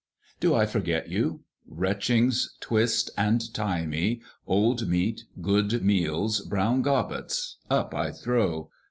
Do I forget you? Retchings twist and tie me, Old meat, good meals, brown gobbets, up I throw.